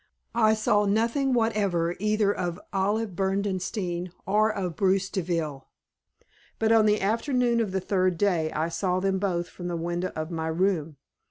I saw nothing whatever either of Olive Berdenstein or of Bruce Deville. But on the afternoon of the third day I saw them both from the window of my room.